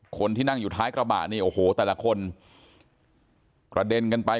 คนที่นั่งอยู่ท้ายกระบะนี่โอ้โหแต่ละคนกระเด็นกันไป